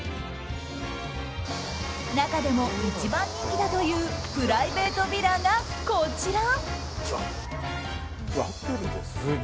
中でも、一番人気だというプライベートヴィラがこちら。